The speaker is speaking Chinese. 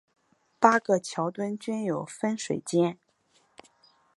八个桥墩均有分水尖。